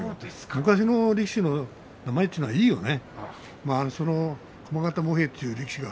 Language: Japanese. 昔の力士名前というのはいいよね。